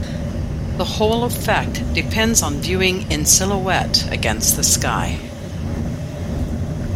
The whole effect depends on viewing in silhouette against the sky.